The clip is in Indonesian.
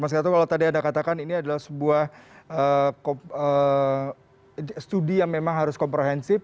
mas gatot kalau tadi anda katakan ini adalah sebuah studi yang memang harus komprehensif